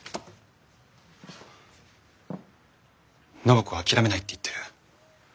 暢子は諦めないって言ってる。